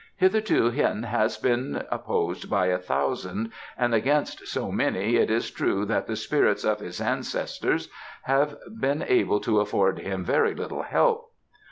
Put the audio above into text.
Hitherto Hien has been opposed by a thousand, and against so many it is true that the spirits of his ancestors have been able to afford him very little help.